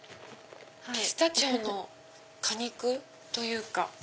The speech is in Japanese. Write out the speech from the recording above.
ピスタチオの果肉というか。